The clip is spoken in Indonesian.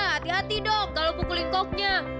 tidak hati hati dong kalau pukulin koknya